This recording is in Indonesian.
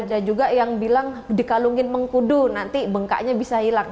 dan juga yang bilang dikalungin mengkudu nanti bengkaknya bisa hilang